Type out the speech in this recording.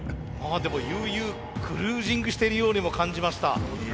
でも悠々クルージングしているようにも感じました。